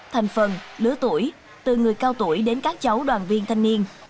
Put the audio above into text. thành phần lứa tuổi từ người cao tuổi đến các cháu đoàn viên thanh niên